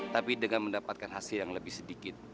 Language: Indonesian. tapi dengan mendapatkan hasil yang lebih sedikit